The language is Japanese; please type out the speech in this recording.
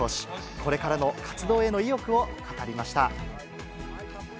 これからの活動への意欲を語りました。